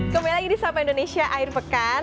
selamat datang di sapa indonesia air pekan